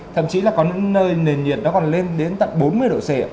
thậm chí là có những nơi nền nhiệt nó còn lên đến tận bốn mươi độ c ạ